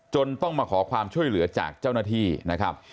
ต้องมาขอความช่วยเหลือจากเจ้าหน้าที่นะครับ